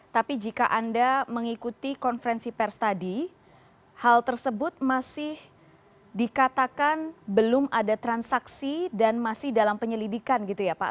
tapi jika anda mengikuti konferensi pers tadi hal tersebut masih dikatakan belum ada transaksi dan masih dalam penyelidikan gitu ya pak